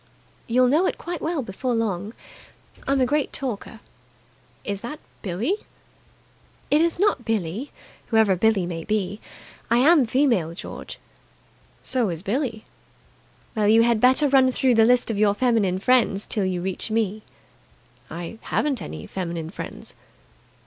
"You'll know it quite well before long. I'm a great talker." "Is that Billie?" "It is not Billie, whoever Billie may be. I am female, George." "So is Billie." "Well, you had better run through the list of your feminine friends till you reach me." "I haven't any feminine friends."